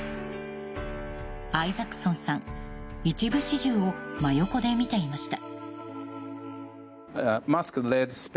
アイザックソンさん一部始終を真横で見ていました。